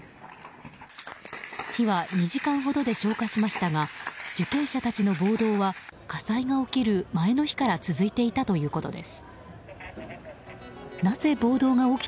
火は２時間ほどで消火しましたが受刑者たちの暴動は火災が起きる前の日から続いていたということです。